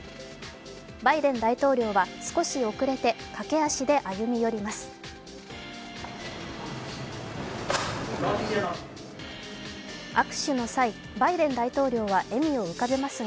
バイデン大統領は少し遅れて駆け足で歩み寄ります。